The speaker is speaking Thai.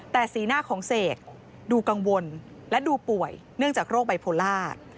แต่สีหน้าของเสกดูกังวลและดูป่วยเนื่องจากโรคไบโพลา